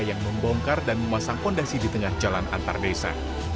yang membongkar dan memasang fondasi di tengah jalan antar desa